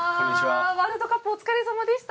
ワールドカップお疲れさまでした。